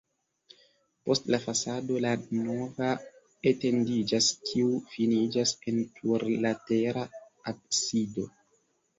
Post la fasado la navo etendiĝas, kiu finiĝas en plurlatera absido.